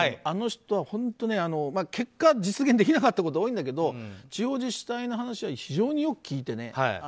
あの人は本当結果、実現できなかったことは多いんだけど地方自治体の話を非常によく聞いてね。